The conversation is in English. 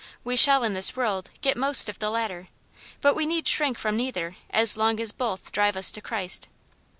We shall, in this world, get most of the latter, but we need shrink from neither as long as both drive us to Christ."